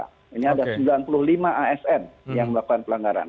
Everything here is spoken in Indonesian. ini ada sembilan puluh lima asn yang melakukan pelanggaran